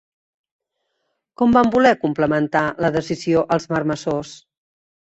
Com van voler complementar la decisió els marmessors?